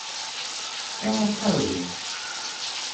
Shall I carry you.